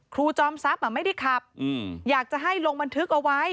จอมทรัพย์ไม่ได้ขับอยากจะให้ลงบันทึกเอาไว้